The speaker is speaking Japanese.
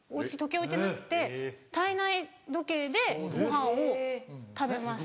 置いてなくて体内時計でごはんを食べます。